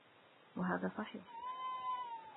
وَهَذَا صَحِيحٌ